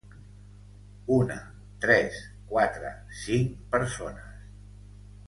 Una, tres, quatre, cinc persones.